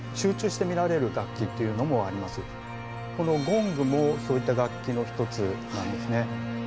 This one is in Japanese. このゴングもそういった楽器の一つなんですね。